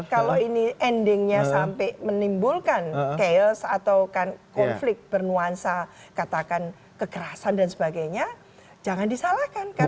kalau ini endingnya sampai menimbulkan chaos atau konflik bernuansa katakan kekerasan dan sebagainya jangan disalahkan